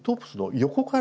横から。